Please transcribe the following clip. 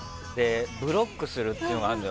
ブロックするっていうのがあるのよ。